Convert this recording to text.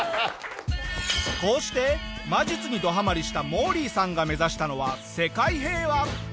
こうして魔術にどハマりしたモーリーさんが目指したのは世界平和。